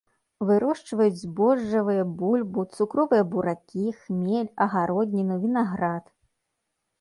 Вырошчваюць збожжавыя, бульбу, цукровыя буракі, хмель, агародніну, вінаград.